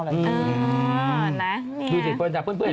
พี่อัพมีความสุขพยายามโปรค